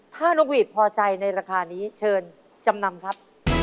ถ้านกหวีดพอใจในราคานี้เชิญจำนำครับ